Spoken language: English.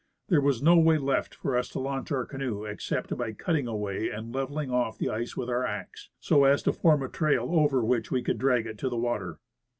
There was no way left, for us to launch our canoe except by cutting away and leveling off the ice with our axe, so as to form a trail over which we could drag it to the water.